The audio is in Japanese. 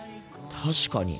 確かに。